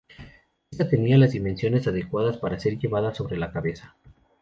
Ésta tenía las dimensiones adecuadas para ser llevada sobre la cabeza.